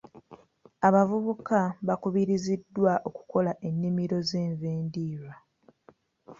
Abavubuka bakubiriziddwa okukola ennimiro z'enva endiirwa.